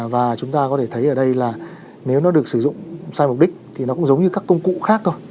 và chúng ta có thể thấy ở đây là nếu nó được sử dụng sai mục đích thì nó cũng giống như các công cụ khác thôi